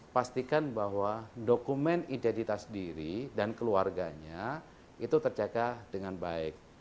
pastikan bahwa dokumen identitas diri dan keluarganya itu terjaga dengan baik